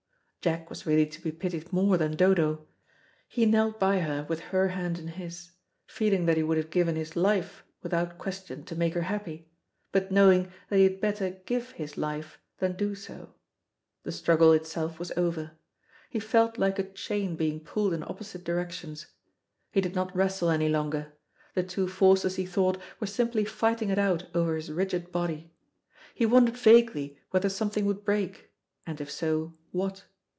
Jack was really to be pitied more than Dodo. He knelt by her with her hand in his, feeling that he would have given his life without question to make her happy, but knowing that he had better give his life than do so. The struggle itself was over. He felt like a chain being pulled in opposite directions. He did not wrestle any longer; the two forces, he thought, were simply fighting it out over his rigid body. He wondered vaguely whether something would break, and, if so, what?